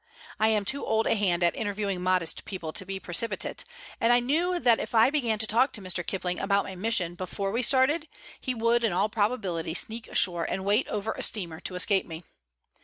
I am too old a hand at interviewing modest people to be precipitate, and knew that if I began to talk to Mr. Kipling about my mission before we started, he would in all probability sneak ashore and wait over a steamer to escape me.